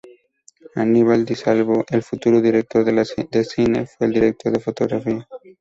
Aníbal Di Salvo, el futuro director de cine, fue el director de fotografía.